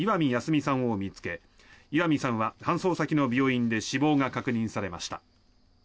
己さんを見つけ石見さんは搬送先の病院で死亡が確認されました。